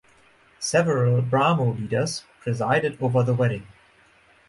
Several Brahmo leaders presided over the wedding.